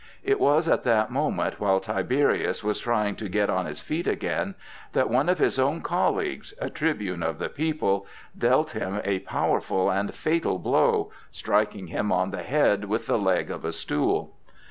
It was at that moment, while Tiberius was trying to get on his feet again, that one of his own colleagues, a tribune of the people, dealt him a powerful and fatal blow, striking him on the head with the leg of a stool.